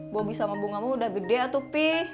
bomi sama bunga mu udah gede atuh pi